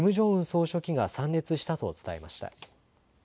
総書記が参列したと伝えました。